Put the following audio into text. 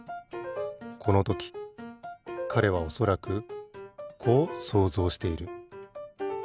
このときかれはおそらくこう想像している。